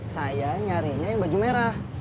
saya nyarinya yang baju merah